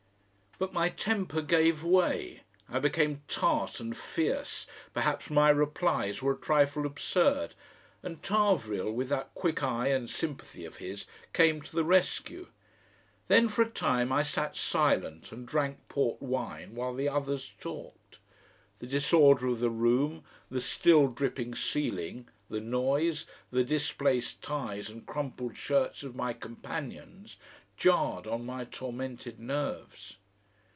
But my temper gave way, I became tart and fierce, perhaps my replies were a trifle absurd, and Tarvrille, with that quick eye and sympathy of his, came to the rescue. Then for a time I sat silent and drank port wine while the others talked. The disorder of the room, the still dripping ceiling, the noise, the displaced ties and crumpled shirts of my companions, jarred on my tormented nerves....